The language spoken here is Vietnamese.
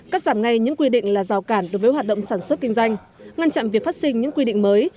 cắt giảm ngay những quy định là rào cản đối với hoạt động sản xuất kinh doanh ngăn chặn việc phát sinh những quy định mới